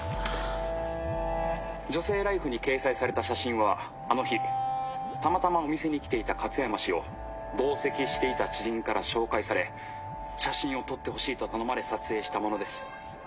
「『女性ＬＩＦＥ』に掲載された写真はあの日たまたまお店に来ていた勝山氏を同席していた知人から紹介され写真を撮ってほしいと頼まれ撮影したものです。